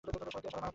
সবাই মারা পড়বে।